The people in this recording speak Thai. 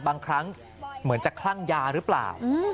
บางครั้งเหมือนจะคลั่งยาหรือเปล่า